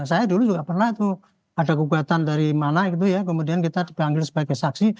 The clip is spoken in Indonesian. saya dulu juga pernah tuh ada gugatan dari mana gitu ya kemudian kita dipanggil sebagai saksi